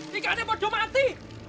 tidak ini tidak bisa mati